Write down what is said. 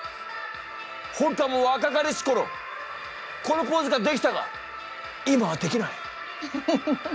本官も若かりし頃このポーズができたが今はできない。